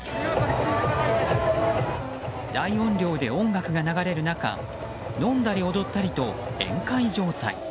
大音量で音楽が流れる中飲んだり踊ったりと宴会状態。